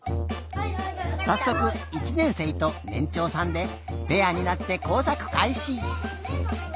さっそく１年生とねんちょうさんでペアになってこうさくかいし。